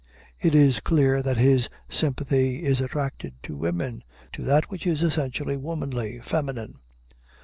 It is clear that his sympathy is attracted to women to that which is essentially womanly, feminine.